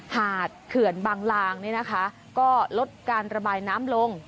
หาดเขื่อนบางลางเนี่ยนะคะก็ลดการระบายน้ำลง